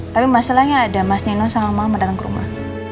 tapi masalahnya ada mas nino sama mama datang ke rumah